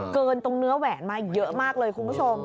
เกินตรงเนื้อแหวนมาเยอะมากเลยคุณผู้ชม